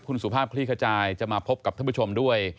คุณสุภาพคลี่ขจายจะมาพบกับท่านผู้ชมด้วย